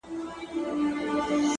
• چي لا اوسي دلته قوم د جاهلانو ,